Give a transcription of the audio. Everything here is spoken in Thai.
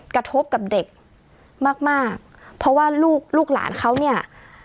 กระทบกับเด็กมากมากเพราะว่าลูกลูกหลานเขาเนี่ย